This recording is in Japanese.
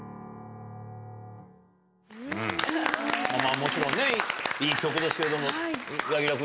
もちろんね、いい曲ですけれども。